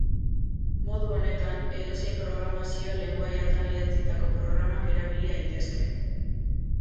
Modu honetan, edozein programazio-lengoaiatan idatzitako programak erabili daitezke.